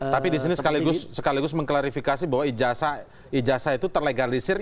tapi di sini sekaligus mengklarifikasi bahwa ijazah itu terlegalisir